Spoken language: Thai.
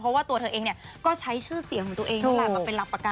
เพราะว่าตัวเธอเองก็ใช้ชื่อเสียของตัวเองมาเป็นรับประกันนะ